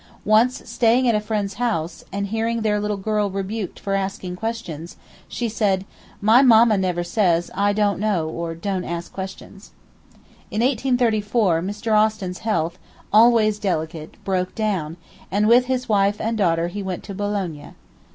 Once, staying at a friend's house, and hearing their little girl rebuked for asking questions, she said: 'My mamma never says "I don't know" or "Don't ask questions."' In 1834 Mr. Austin's health, always delicate, broke down, and with his wife and daughter he went to Boulogne.